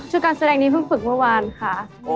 การแสดงนี้เพิ่งฝึกเมื่อวานค่ะ